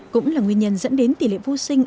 cũng là nguyên nhân dẫn đến tỷ lệ vô sinh